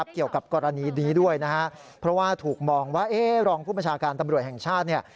เกี่ยวกับกรณีนี้ด้วยนะฮะเพราะว่าถูกมองว่ารองผู้บัญชาการตำรวจแห่งชาติเนี่ย